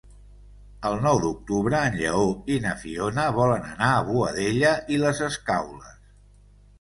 El nou d'octubre en Lleó i na Fiona volen anar a Boadella i les Escaules.